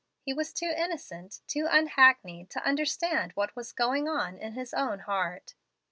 He was too innocent, too unhackneyed, to understand what was going on in his own heart.